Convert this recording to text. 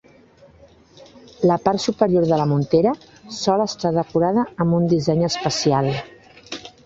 La part superior de la montera sol estar decorada amb un disseny especial.